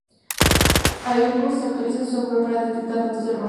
Airbus actualiza su software para detectar datos erróneos.